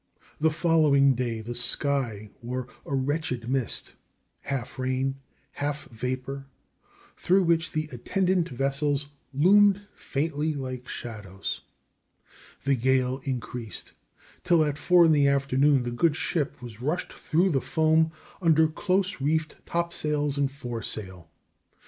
The following day the sky wore a wretched mist half rain, half vapor through which the attendant vessels loomed faintly like shadows. The gale increased; till at four in the afternoon the good ship was rushed through the foam under close reefed topsails and foresail.